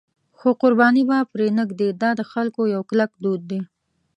خو قرباني به پرې نه ږدي، دا د خلکو یو کلک دود دی.